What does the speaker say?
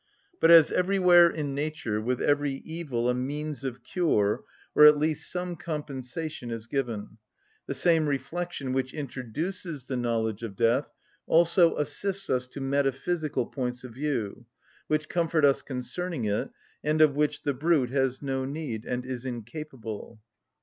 But as everywhere in nature with every evil a means of cure, or at least some compensation, is given, the same reflection which introduces the knowledge of death also assists us to metaphysical points of view, which comfort us concerning it, and of which the brute has no need and is incapable.